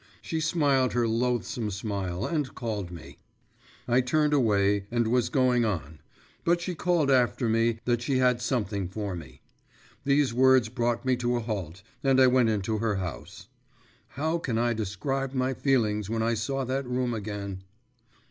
She smiled her loathsome smile, and called me. I turned away, and was going on; but she called after me that she had something for me. These words brought me to a halt, and I went into her house. How can I describe my feelings when I saw that room again?